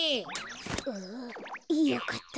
ああよかった。